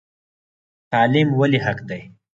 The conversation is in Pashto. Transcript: تعلیم ولې حق دی؟